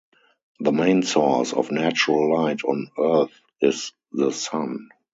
The main source of natural light on Earth is the Sun.